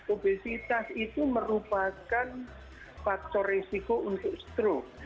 obesitas itu merupakan faktor resiko untuk struk